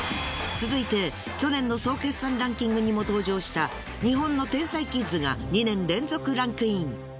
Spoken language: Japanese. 続いて去年の総決算ランキングにも登場した日本の天才キッズが２年連続ランクイン。